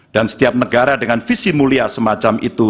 dan setiap negara dengan visi mulia semacam itu